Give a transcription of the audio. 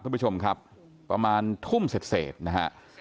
คุณผู้ชมครับประมาณทุ่มเสร็จนะฮะ